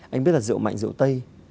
anh biết là rượu mạnh rượu tây